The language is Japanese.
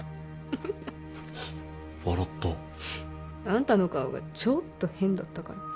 あんたの顔がちょっと変だったから。